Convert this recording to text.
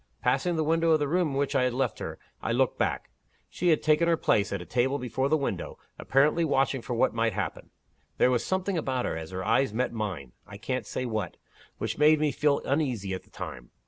Passing the window of the room in which I had left her, I looked back. She had taken her place, at a table before the window, apparently watching for what might happen. There was something about her, as her eyes met mine (I can't say what), which made me feel uneasy at the time.